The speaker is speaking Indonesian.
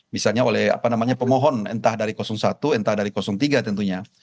misalnya oleh pemohon entah dari satu entah dari tiga tentunya